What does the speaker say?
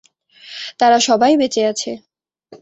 তারা সবাই বেঁচে আছে।